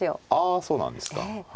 あそうなんですか。